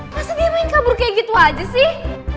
masa dia main kabur kayak gitu aja sih